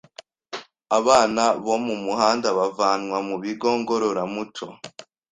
abana bo mu muhanda bavanwa mu bigo ngororamuco